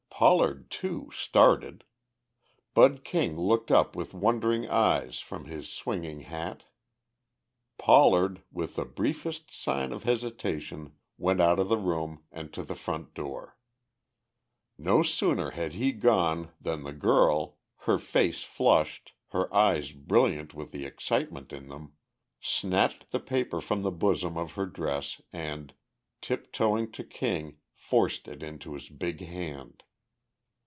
Pollard, too, started. Bud King looked up with wondering eyes from his swinging hat. Pollard, with the briefest sign of hesitation, went out of the room and to the front door. No sooner had he gone than the girl, her face flushed, her eyes brilliant with the excitement in them, snatched the paper from the bosom of her dress and, tiptoeing to King, forced it into his big hand.